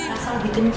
rasa lebih kencang sih